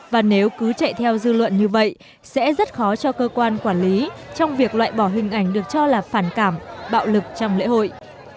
và nếu cứ chạy theo dư luận như vậy sẽ rất khó cho cơ quan quản lý trong việc loại bỏ hình ảnh được cho là phản cảm bạo lực trong lễ hội